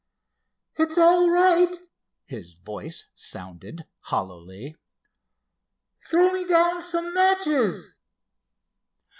"It's all right," his voice sounded, hollowly. "Throw me down some matches."